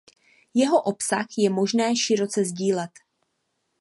Jeho obsah je možné široce sdílet.